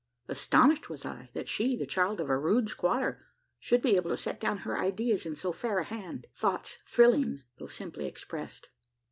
Astonished was I, that she the child of a rude squatter should be able to set down her ideas in so fair a hand thoughts thrilling, though simply expressed.